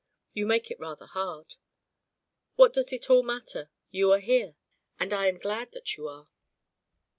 "You make it rather hard." "What does it all matter? You are here, and I am glad that you are."